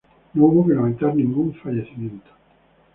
No hubo que lamentar ningún fallecimiento.